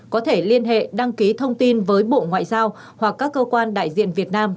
có thể liên hệ đăng ký thông tin với bộ ngoại giao hoặc các cơ quan đại diện việt nam